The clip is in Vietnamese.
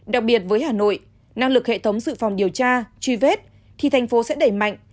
đặc biệt với hà nội năng lực hệ thống dự phòng điều tra truy vết thì thành phố sẽ đẩy mạnh